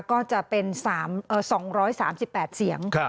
ก็จะเป็น๒๓๘เสียง